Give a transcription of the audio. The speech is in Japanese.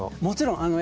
もちろん。